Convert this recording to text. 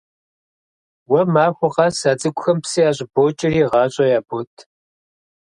Уэ махуэ къэс а цӀыкӀухэм псы ящӀыбокӀэри, гъащӀэ ябот.